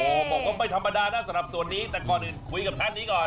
โอ้โหบอกว่าไม่ธรรมดานะสำหรับส่วนนี้แต่ก่อนอื่นคุยกับท่านนี้ก่อน